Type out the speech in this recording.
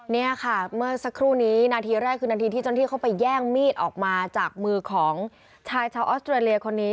นี่ค่ะเมื่อสักครู่นี้นาทีแรกคือนาทีที่เจ้าหน้าที่เข้าไปแย่งมีดออกมาจากมือของชายชาวออสเตรเลียคนนี้